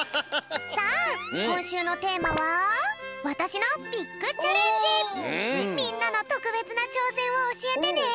さあこんしゅうのテーマはみんなのとくべつなちょうせんをおしえてね。